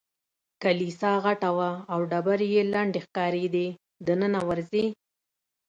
کلیسا غټه وه او ډبرې یې لندې ښکارېدې، دننه ورځې؟